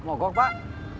mau gok pak